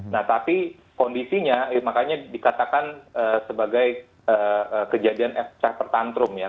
nah tapi kondisinya makanya dikatakan sebagai kejadian fraper tantrum ya